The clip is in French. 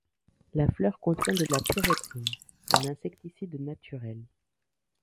La fleur contient de la pyréthrine, un insecticide naturel.